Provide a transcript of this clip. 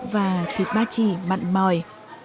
và thịt ba chỉ mặn mòi